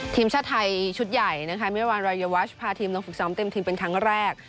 ทีมชาติไทยชุดใหญ่นะคะเมื่อวานรายวัชพาทีมลงฝึกซ้อมเต็มทีมเป็นครั้งแรก